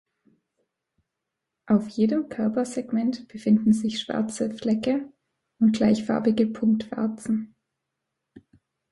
Auf jedem Körpersegment befinden sich schwarze Flecke und gleichfarbige Punktwarzen.